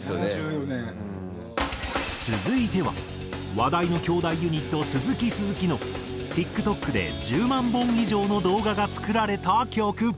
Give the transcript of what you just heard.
続いては話題の兄弟ユニット鈴木鈴木のＴｉｋＴｏｋで１０万本以上の動画が作られた曲。